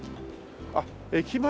あっ駅前